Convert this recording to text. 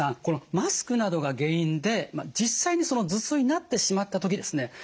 このマスクなどが原因で実際に頭痛になってしまった時ですね